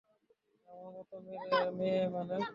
আমার মতো মেয়ে মানে?